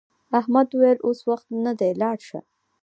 احمد وویل اوس وخت نه دی لاړ شه.